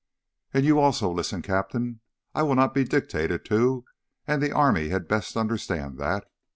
"And you also listen, Captain. I will not be dictated to, and the army had best understand that.